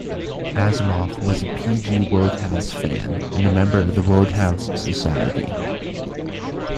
Asimov was a P. G. Wodehouse fan and a member of the Wodehouse Society.